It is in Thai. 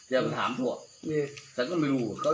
อย่างไรก็ฉั่น